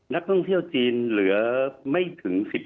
นักท่องเที่ยวจีนเหลือไม่ถึง๑๐